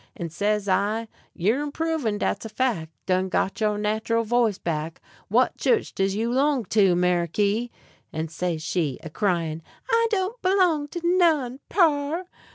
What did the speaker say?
And says I: "You're improvin', dat's a fac'; done got your natural voice back. What chu'ch does you 'long to, Meriky?" And says she, a cryin': "I don't 'long to none, par."